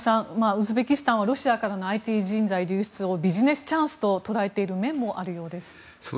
ウズベキスタンはロシアからのＩＴ人材流出をビジネスチャンスと捉えている面もあるようです。